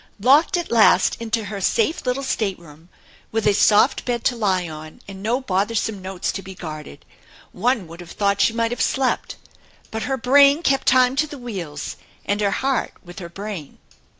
Locked at last into her safe little stateroom, with a soft bed to lie on and no bothersome notes to be guarded, one would have thought she might have slept, but her brain kept time to the wheels, and her heart with her brain.